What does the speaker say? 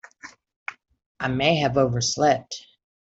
I may have overslept.